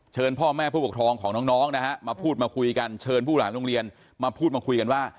พ่อแม่ผู้ปกครองของน้องนะฮะมาพูดมาคุยกันเชิญผู้หลานโรงเรียนมาพูดมาคุยกันว่า